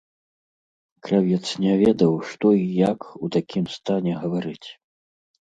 Кравец не ведаў, што і як у такім стане гаварыць.